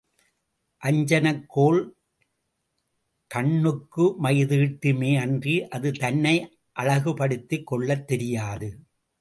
அஞ்சனக் கோல் கண்ணுக்கு மைதீட்டுமே யன்றி அது தன்னை அழகுபடுத்திக் கொள்ளத் தெரியாது.